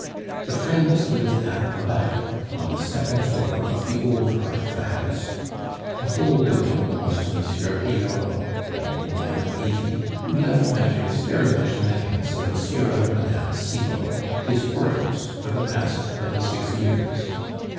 The friends lived at the back, on the second floor of the old part of the house. The whole building belongs to M. Pillerault, an old man of eighty, who left matters very much in the hands of M. and Mme. Cibot, his porters for the past twenty six years.